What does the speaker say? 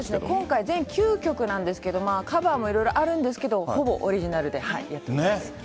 今回、全９曲なんですけれども、カバーもあるんですけど、ほぼオリジナルでやっています。